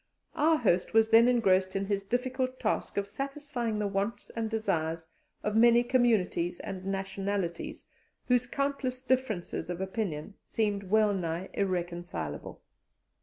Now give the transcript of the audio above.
Our host was then engrossed in his difficult task of satisfying the wants and desires of many communities and nationalities, whose countless differences of opinion seemed wellnigh irreconcilable.